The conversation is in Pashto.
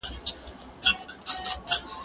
زه پرون سبزیحات تيار کړل!؟